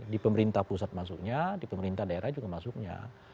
di pemerintah pusat masuknya di pemerintah daerah juga masuknya